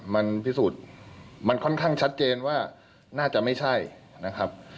มันพิสูจน์มันค่อนข้างชัดเจนว่าน่าจะไม่ใช่นะครับ